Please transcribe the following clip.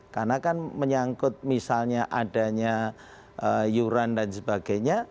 karena kan menyangkut misalnya adanya yuran dan sebagainya